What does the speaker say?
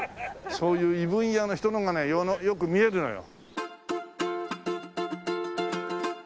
そういう異分野の人のがねよく見えるのよ。